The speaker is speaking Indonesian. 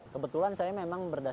kebetulan saya memang berdasa